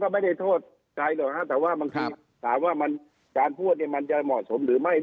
ไม่ได้โทษไทยหรอกครับแต่ว่าการพูดมันจะเหมาะสมหรือไม่